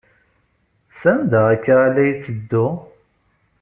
Sanda akka ay la yetteddu?